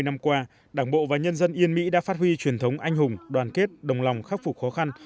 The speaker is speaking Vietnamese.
bảy mươi năm qua đảng bộ và nhân dân yên mỹ đã phát huy truyền thống anh hùng đoàn kết đồng lòng khắc phục khó khăn